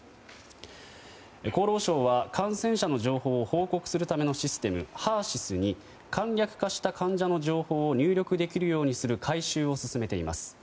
厚労省は、感染者の情報を報告するためのシステムＨＥＲ‐ＳＹＳに簡略化した患者の情報を入力できるようにする改修を進めています。